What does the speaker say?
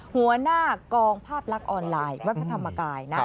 หัวหน้ากองภาพลักษณ์ออนไลน์วัดพระธรรมกายนะ